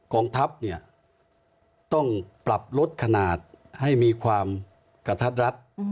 กองทัพเนี่ยต้องปรับลดขนาดให้มีความกระทัดรัด